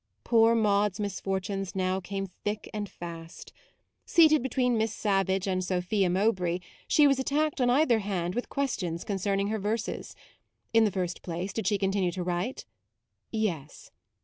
Poor Maude's misfortunes now came thick and fast. Seated between 60 MAUDE Miss Savage and Sophia Mowbray she was attacked on either hand with questions concerning her verses. In the first place, did she continue to write ? Yes.